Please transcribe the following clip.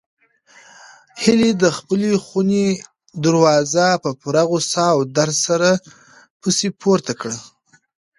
هیلې د خپلې خونې دروازه په پوره غوسه او درد سره پسې پورته کړه.